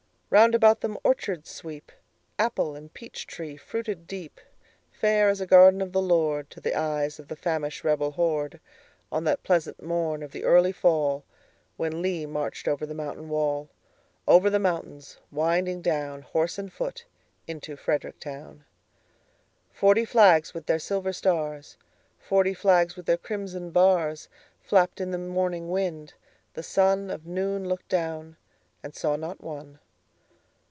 Round about them orchards sweep, Apple and peach tree fruited deep, Fair as a garden of the LordTo the eyes of the famished rebel horde, On that pleasant morn of the early fallWhen Lee marched over the mountain wall,—Over the mountains winding down, Horse and foot, into Frederick town. Forty flags with their silver stars, Forty flags with their crimson bars, Flapped in the morning wind: the sunOf noon looked down, and saw not one.